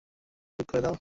যোগ করে দাও।